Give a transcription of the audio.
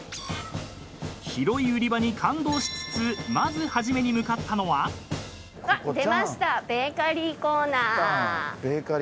［広い売り場に感動しつつまず初めに］出ましたベーカリーコーナー。